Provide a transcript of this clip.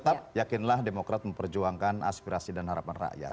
mungkin lah demokrat memperjuangkan aspirasi dan harapan rakyat